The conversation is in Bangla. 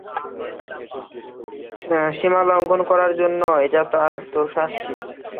সীমালঙ্ঘন করার জন্য এটা তোর শাস্তি।